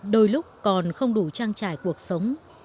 đôi lúc còn không đủ trang trải cuộc sống